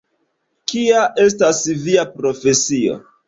Kia estas via profesio?